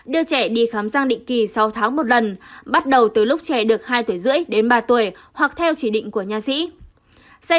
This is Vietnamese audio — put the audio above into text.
đưa trẻ đi khám giang định kỳ sáu tháng một lần bắt đầu từ lúc trẻ được hai tuổi rưỡi đến ba tuổi hoặc theo chỉ định của nhà sĩ